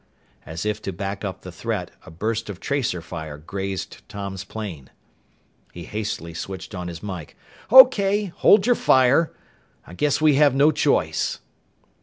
_" As if to back up the threat, a burst of tracer fire grazed Tom's plane. He hastily switched on his mike. "Okay, hold your fire! I guess we have no choice!"